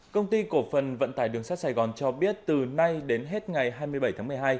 công ty cổ phần vận tải đường sắt sài gòn cho biết từ nay đến hết ngày hai mươi bảy tháng một mươi hai